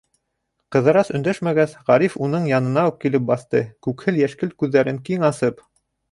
Ҡыҙырас өндәшмәгәс, Ғариф уның янына уҡ килеп баҫты, күкһел йәшкелт күҙҙәрен киң асып: